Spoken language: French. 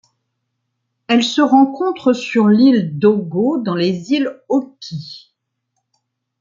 Elle se rencontre sur l'île Dōgo dans les îles Oki.